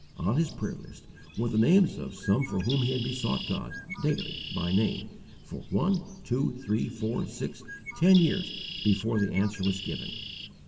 On his prayer list were the names of some for whom he had besought God, daily, by name, for one, two, three, four, six, ten years before the answer was given.